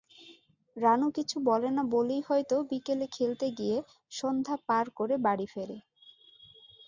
রানু কিছু বলে না বলেই হয়তো বিকেলে খেলতে গিয়ে সন্ধ্যা পার করে বাড়ি ফেরে।